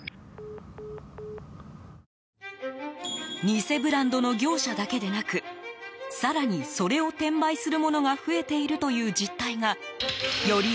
偽ブランドの業者だけでなく更に、それを転売する者が増えているという実態がより